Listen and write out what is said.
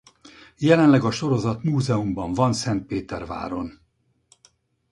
Jelenleg a sorozat múzeumban van Szentpéterváron